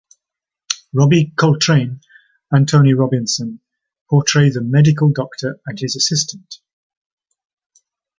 Robbie Coltrane and Tony Robinson portray the medical doctor and his assistant.